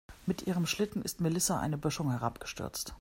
Mit ihrem Schlitten ist Melissa eine Böschung herabgestürzt.